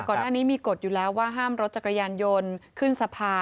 ก่อนหน้านี้มีกฎอยู่แล้วว่าห้ามรถจักรยานยนต์ขึ้นสะพาน